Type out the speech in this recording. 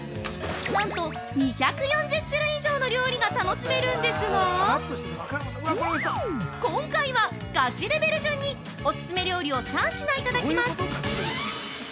なんと、２４０種類以上の料理が楽しめるんですが今回は、ガチレベル順にオススメ料理を３品いただきます。